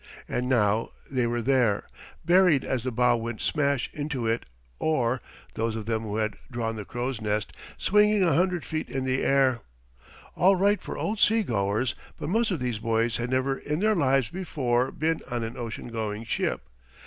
And now they were there, buried as the bow went smash into it, or those of them who had drawn the crow's nest swinging a hundred feet in the air. All right for old seagoers, but most of these boys had never in their lives before been on an ocean going ship.